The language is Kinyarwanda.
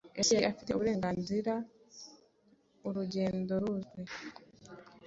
Ese yari afite uburenganziram urugendoruzwi